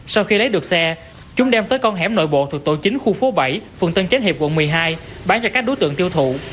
sau khi lấy được xe chúng đem tới con hẻm nội bộ thuộc tổ chính khu phố bảy phường tân chánh hiệp quận một mươi hai bán cho các đối tượng tiêu thụ